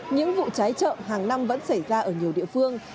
những vụ cháy chợ hàng năm vẫn xảy ra ở nhiều địa phương